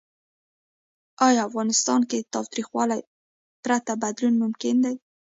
آیا افغانستان کې له تاوتریخوالي پرته بدلون ممکن دی؟